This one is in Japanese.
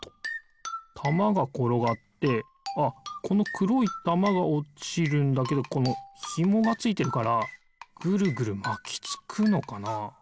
たまがころがってああこのくろいたまがおちるんだけどこのひもがついてるからぐるぐるまきつくのかな。